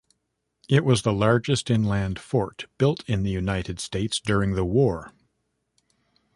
It was the largest inland fort built in the United States during the war.